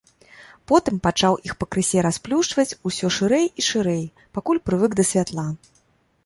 Потым пачаў іх пакрысе расплюшчваць усё шырэй і шырэй, пакуль прывык да святла.